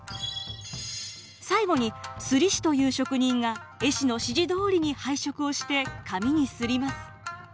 最後に摺師という職人が絵師の指示どおりに配色をして紙に摺ります。